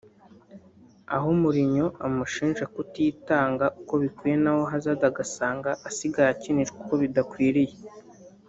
aho Mourinho amushinja kutitanga uko bikwiye naho Hazard agasanga asigaye akinishwa uko bidakwiye